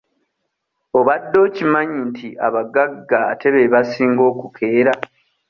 Obadde okimanyi nti abagagga ate be basinga okukeera?